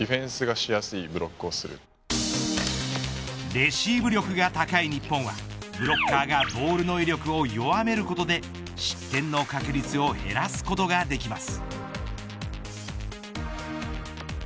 レシーブ力が高い日本はブロッカーがボールの威力を弱めることで失点の確率を減らすことができます。